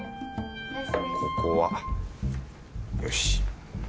ここはよし！